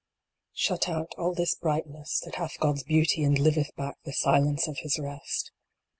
Shut out all this brightness that hath God s Beauty and liveth back the silence of His Rest.